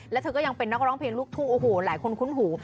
แล้วเธอก็ยังเป็นนักร้องเพลงลูกทุ่งโอ้โหหลายคนคุ้นหู